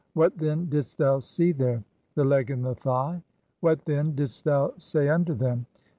What, then, didst thou see "there? The leg and the thigh. What, then, (23) didst thou say "unto them